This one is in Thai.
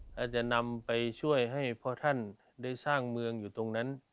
ถ้าจะนำไปช่วยให้พ่อท่านได้สร้างเมืองอยู่ตรงนั้น